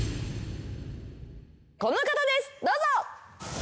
この方ですどうぞ。